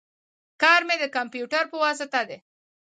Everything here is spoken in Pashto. کار می د کمپیوټر په واسطه دی